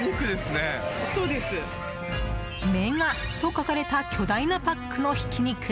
メガと書かれた巨大なパックのひき肉。